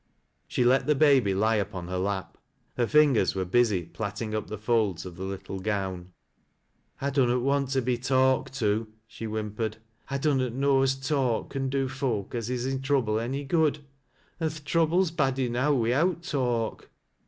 She let the baby lie upon her lap ; her fingers were busy plaiting \x\ folds of the little gown. " I dunnot want to be talked to," she whimpei^d. " I dunnot know as talk can do folk as is i' trouble any good — an' th' trouble's bad enow wi'out talk."